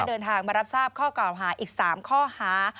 เดินทางมารับทราบข้อกล่าวหาอีก๓ข้อหา